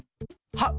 ・はっ！